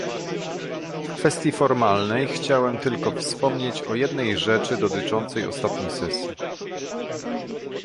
W kwestii formalnej, chciałem tylko wspomnieć o jednej rzeczy dotyczącej ostatniej sesji